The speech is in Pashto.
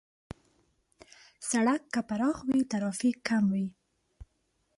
سړک که پراخ وي، ترافیک کم وي.